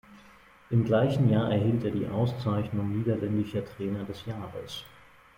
Im gleichen Jahr erhielt er die Auszeichnung Niederländischer Trainer des Jahres.